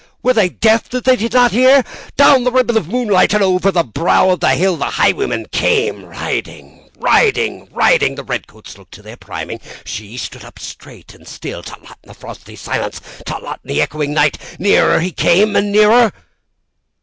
Were they deaf that they did not hear? Down the ribbon of moonlight, over the brow of the hill, The highwayman came riding Riding riding The redcoats looked to their priming! She stood up straight and still. Tlot tlot, in the frosty silence! Tlot tlot, in the echoing night! Nearer he came and nearer!